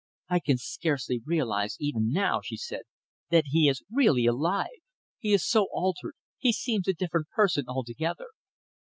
"I can scarcely realize even now," she said, "that he is really alive. He is so altered. He seems a different person altogether."